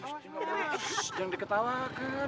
shhh jangan diketawakan